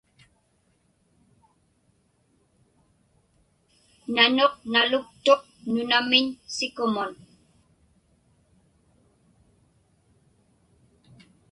Nanuq naluktuq nunamiñ sikumun.